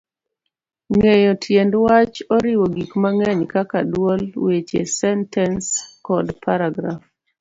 Ng'eyo tiend wach oriwo gik mang'eny kaka dwol, weche, sentens, kod paragraf.